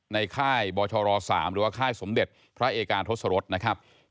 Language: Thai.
ค่ายบชร๓หรือว่าค่ายสมเด็จพระเอกาทศรษนะครับ